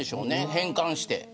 変換して。